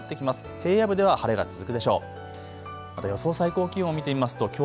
平野部では晴れが続くでしょう。